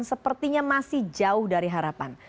sepertinya masih jauh dari harapan